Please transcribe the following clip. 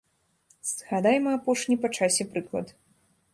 Згадайма апошні па часе прыклад.